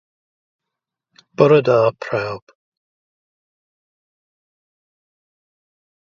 Mae'n gorffen gyda'r dymuniad amhosib i fid wedi cael ei eni mewn oes well.